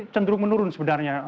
cenderung menurun sebenarnya